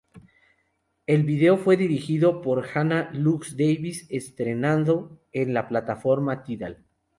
El vídeo fue dirigido por Hannah Lux Davis y estrenado en la plataforma Tidal.